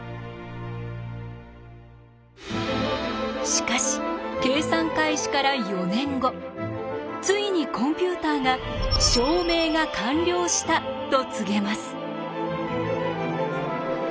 しかし計算開始から４年後ついにコンピューターが証明が完了したと告げます。